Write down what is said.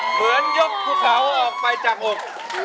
เหมือนยกภูเขาออกไปจากอก